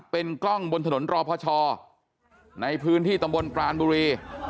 เป็นกล้องบนถนนรอพชในพื้นที่ตำบลปรานบุรี